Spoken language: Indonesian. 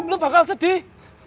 lu bakal sedih